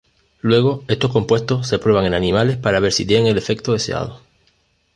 Luego, estos compuestos se prueban en animales para ver si tienen el efecto deseado.